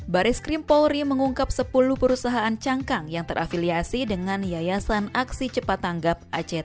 baris krim polri mengungkap sepuluh perusahaan cangkang yang terafiliasi dengan yayasan aksi cepat tanggap act